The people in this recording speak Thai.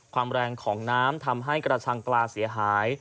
ความแรงของน้ำทำให้กระชังปลาเสียหาย